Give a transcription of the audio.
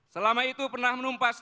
selama itu pernah menumpas